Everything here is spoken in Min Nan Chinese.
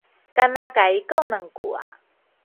干焦共伊講兩句仔